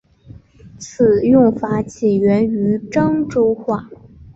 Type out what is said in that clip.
此用法起源于漳州话。